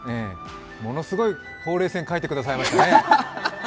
ものすごいほうれい線、描いてくれましたね。